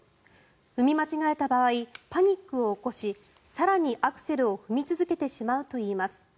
踏み間違えた場合パニックを起こし更にアクセルを踏み続けてしまうといいます。